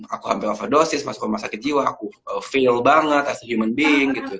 aku hampir overdosis masuk rumah sakit jiwa aku feel banget as a human being gitu